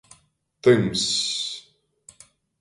Tymss.